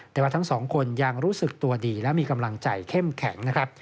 แต่ว่าทั้งสองคนยังรู้สึกตัวดีและมีกำลังใจเข้มแข็งนะครับ